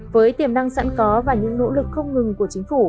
với tiềm năng sẵn có và những nỗ lực không ngừng của chính phủ